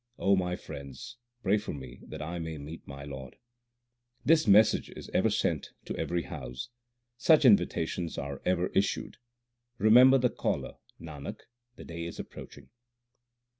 O my friends, pray for me that I may meet my Lord. This message is ever sent to every house : such invitations are ever issued. Remember the Caller ; Nanak, the day is approaching.